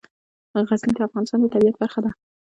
غزني د افغانستان د طبیعت برخه ده.